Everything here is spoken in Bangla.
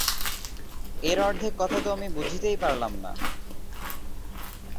এর অর্ধেক কথা তো আমি বুঝিতেই পারিলাম না।